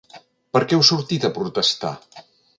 Per què heu sortit a protestar?